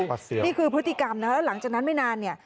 นี่คือพฤติกรรมนะครับแล้วหลังจากนั้นไม่นาน